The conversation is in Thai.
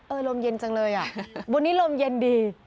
ลมเย็นจังเลยอ่ะวันนี้ลมเย็นดี